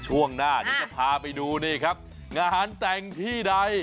ช่วงหน้าเดี๋ยวจะพาไปดูนี่ครับงานแต่งที่ใด